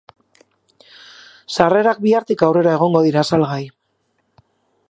Sarrerak bihartik aurrera egongo dira salgai.